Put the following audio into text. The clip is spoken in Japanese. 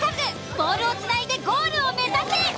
ボールをつないでゴールを目指せ！